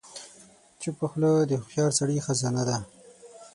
چپه خوله، د هوښیار سړي خزانه ده.